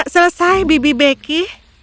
selesai bibi becky